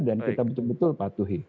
dan kita betul betul patuhi